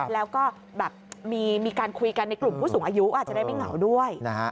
แล้วก็แบบมีการคุยกันในกลุ่มผู้สูงอายุอาจจะได้ไม่เหงาด้วย